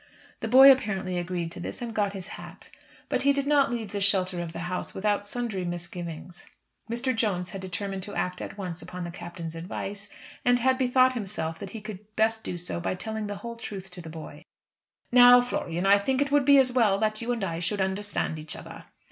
The boy apparently agreed to this, and got his hat. But he did not leave the shelter of the house without sundry misgivings. Mr. Jones had determined to act at once upon the Captain's advice, and had bethought himself that he could best do so by telling the whole truth to the boy. "Now, Florian, I think it would be as well that you and I should understand each other."